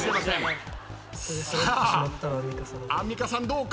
さあアンミカさんどうか？